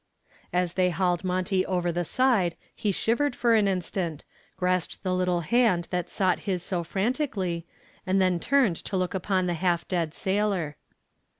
As they hauled Monty over the side he shivered for an instant, grasped the first little hand that sought his so frantically, and then turned to look upon the half dead sailor.